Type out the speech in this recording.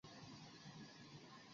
后来为粮食店街第十旅馆使用。